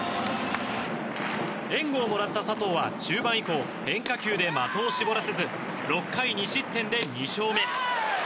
援護をもらった佐藤は中盤以降変化球で的を絞らせず６回２失点で２勝目。